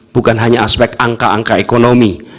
bukan hanya aspek angka angka ekonomi